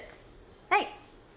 はい。